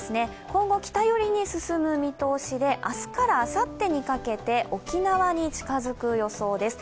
今後、北寄りに進む見通しで明日からあさってにかけて沖縄に近づく予想です。